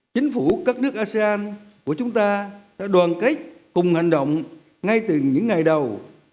chính phủ các nước asean của chúng ta đã đoàn kết cùng hành động ngay từ những ngày đầu